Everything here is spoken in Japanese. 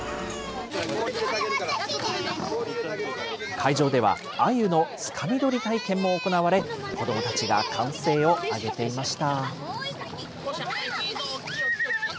会場では、あゆのつかみ取り体験も行われ、子どもたちが歓声を上げていました。